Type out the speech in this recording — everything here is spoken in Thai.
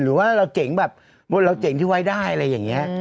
หรือว่าเราเจ๋งแบบเราเจ๋งที่ไว้ได้อะไรอย่างนี้